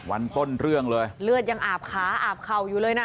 วันต้นเรื่องเลยเลือดยังอาบขาอาบเข่าอยู่เลยน่ะ